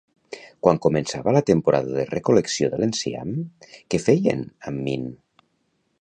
Quan començava la temporada de recol·lecció de l'enciam, què feien amb Min?